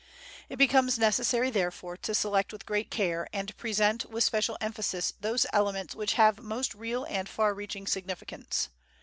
It becomes necessary, therefore, to select with great care and present with special emphasis those elements which have most real and far reaching significance.